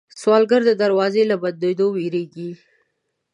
سوالګر د دروازې له بندېدو وېرېږي